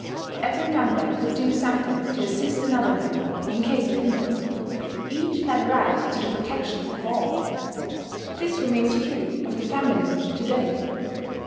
Every member could do something to assist another member in case of need: each had a right to the protection of all. This remains true of the family to day.